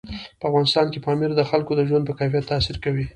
په افغانستان کې پامیر د خلکو د ژوند په کیفیت تاثیر کوي.